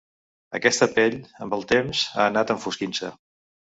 Aquesta pell, amb el temps, ha anat enfosquint-se.